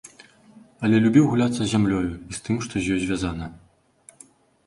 Але любіў гуляцца з зямлёю, і з тым, што з ёй звязана.